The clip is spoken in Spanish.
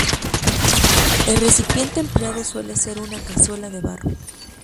El recipiente empleado suele ser una cazuela de barro.